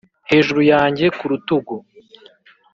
hejuru yanjye, ku rutugu,